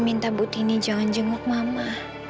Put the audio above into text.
minta bu tini jangan jenguk mama